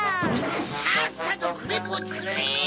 さっさとクレープをつくれ！